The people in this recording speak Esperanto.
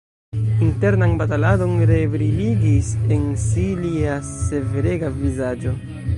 Internan bataladon rebriligis en si lia severega vizaĝo.